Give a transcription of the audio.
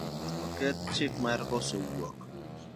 Oket chik mar koso wuok